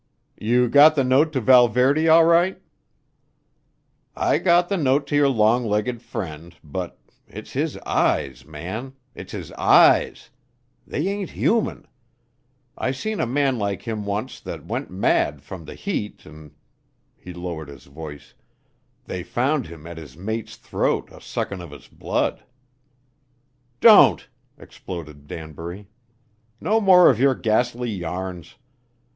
"You got the note to Valverde all right?" "I got the note to your long legged friend, but it's his eyes, man! It's his eyes! They ain't human! I seen a man like him once what went mad from the heat an' " he lowered his voice, "they found him at his mate's throat a sucking of his blood!" "Don't!" exploded Danbury. "No more of your ghastly yarns!